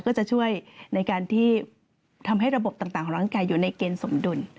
ก็จะช่วยในการที่ทำให้ระบบต่างของร่างกายอยู่ในเกณฑ์สมดุล